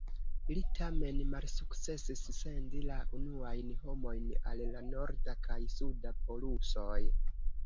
Li tamen malsukcesis sendi la unuajn homojn al la norda kaj suda polusoj.